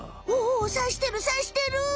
おおさしてるさしてる！